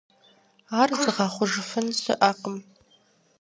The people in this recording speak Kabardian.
Ар зыгъэхъужыфын щыӀэкъым.